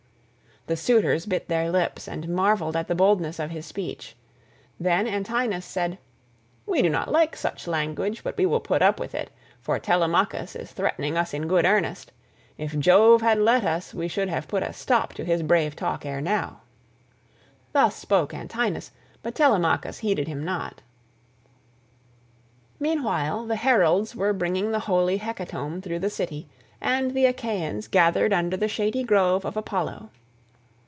The suitors bit their lips, and marvelled at the boldness of his speech; then Antinous said, "We do not like such language but we will put up with it, for Telemachus is threatening us in good earnest. If Jove had let us we should have put a stop to his brave talk ere now." Thus spoke Antinous, but Telemachus heeded him not. Meanwhile the heralds were bringing the holy hecatomb through the city, and the Achaeans gathered under the shady grove of Apollo.